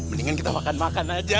mendingan kita makan makan aja